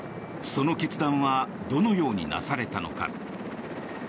その決断はどのようになされたのか。